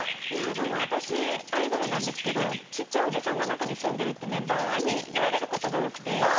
でも私アイドルなんですけど小っちゃいおじさんが中に住んでるってメンバーに言われることが多くて。